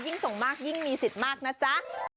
ส่งมากยิ่งมีสิทธิ์มากนะจ๊ะ